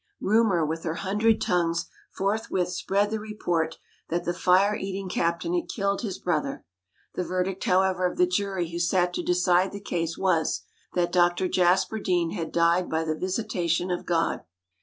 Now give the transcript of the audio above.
Rumour, with her hundred tongues, forthwith spread the report that the fire eating captain had killed his brother. The verdict however of the jury who sat to decide the case was, that Dr Jasper Deane had died by the visitation of God.